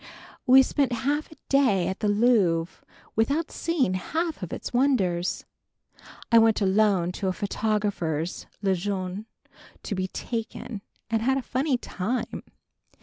We spent half a day at the Louvre without seeing half of its wonders. I went alone to a photographer's, Le Jeune, to be "taken" and had a funny time.